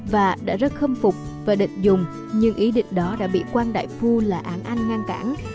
và đã rất khâm phục và định dùng nhưng ý định đó đã bị quang đại phu là án anh ngăn cản